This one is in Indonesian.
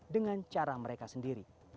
dengan cara mereka sendiri